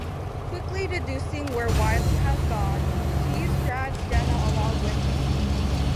Quickly deducing where Wiley has gone, Keyes drags Jenna along with him.